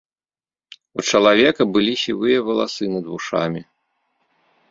У чалавека былі сівыя валасы над вушамі.